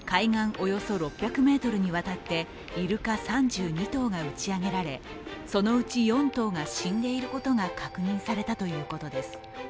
およそ６００ｍにわたってイルカ３２頭が打ち上げられそのうち４頭が死んでいることが確認されたということです。